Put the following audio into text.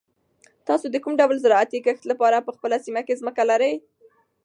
تاسو د کوم ډول زراعتي کښت لپاره په خپله سیمه کې ځمکه لرئ؟